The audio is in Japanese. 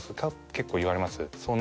結構言われます？